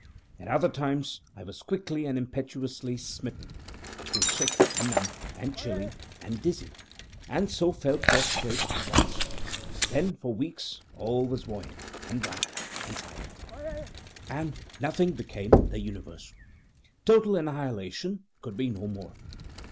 At other times I was quickly and impetuously smitten. I grew sick, and numb, and chilly, and dizzy, and so fell prostrate at once. Then, for weeks, all was void, and black, and silent, and Nothing became the universe. Total annihilation could be no more.